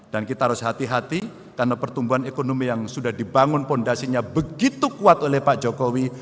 dan kita harus hati hati karena pertumbuhan ekonomi yang sudah dibangun fondasinya begitu kuat oleh pak jokowi